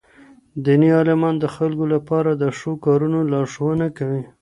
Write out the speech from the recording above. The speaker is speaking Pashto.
ديني عالمان د خلکو لپاره د ښو کارونو لارښوونه کوي.